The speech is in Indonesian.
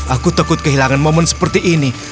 aku takut kehilangan momen seperti ini